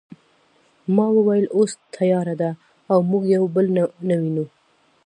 ما وویل اوس تیاره ده او موږ یو بل نه وینو